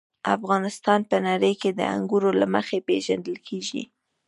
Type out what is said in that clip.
افغانستان په نړۍ کې د انګورو له مخې پېژندل کېږي.